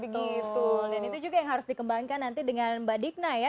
dan itu juga yang harus dikembangkan dengan mbak digna